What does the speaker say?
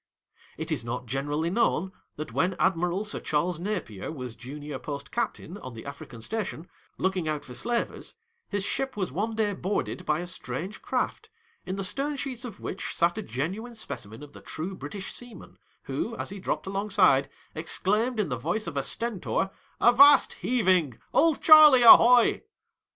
It is not generally known that when Admiral Sir Charles Napier was junior post captaia on the African station, looking out for slavers, his ship was one day boarded by a strange craft, in the stern sheets of which sat a genuine specimen of the true British seaman, who, as he dropped alongside, exclaimed in the voice of a Stentor, " Avast heaving ! Old Charley, ahoy